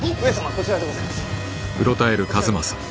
こちらでございます。